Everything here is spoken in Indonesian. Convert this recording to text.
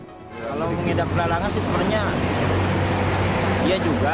kalau mengidap pelalangan sih sebenarnya ya juga